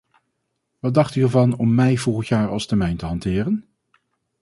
Wat dacht u ervan om mei volgend jaar als termijn te hanteren?